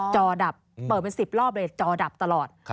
จอดับเปิดเป็น๑๐รอบเลยจอดับตลอด